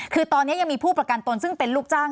คือตอนนี้ยังมีผู้ประกันตนซึ่งเป็นลูกจ้าง